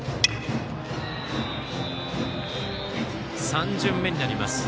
３巡目になります。